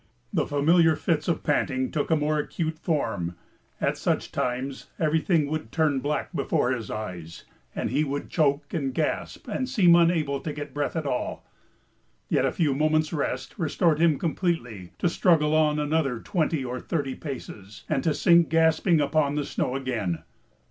The familiar fits of panting took a more acute form; at such times everything would turn black before his eyes and he would choke and gasp and seem unable to get breath at all. Yet a few moments' rest restored him completely, to struggle on another twenty or thirty paces and to sink gasping upon the snow again.